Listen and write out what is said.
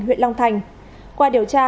huyện long thành qua điều tra